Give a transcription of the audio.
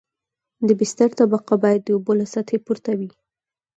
د بستر طبقه باید د اوبو له سطحې پورته وي